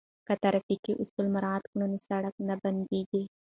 که ترافیکي اصول مراعات کړو نو سړک نه بندیږي.